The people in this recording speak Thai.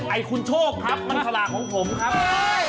ไอ้คุณโชคครับมันสลากของผมครับ